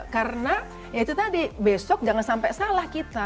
karena itu tadi besok jangan sampai salah kita